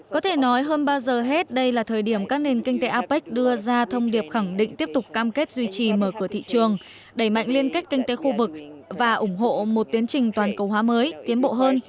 có thể nói hơn ba giờ hết đây là thời điểm các nền kinh tế apec đưa ra thông điệp khẳng định tiếp tục cam bộ